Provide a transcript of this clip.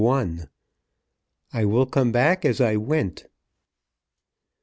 "I WILL COME BACK AS I WENT."